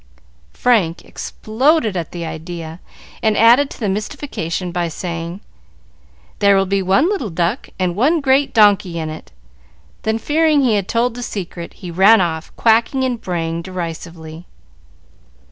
Frank exploded at the idea, and added to the mystification by saying, "There will be one little duck and one great donkey in it." Then, fearing he had told the secret, he ran off, quacking and braying derisively.